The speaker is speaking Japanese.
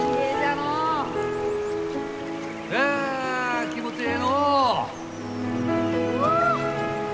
あ気持ちええのう！